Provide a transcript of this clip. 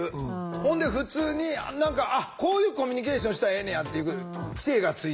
ほんで普通に何かあっこういうコミュニケーションしたらええねやって知恵がついていく。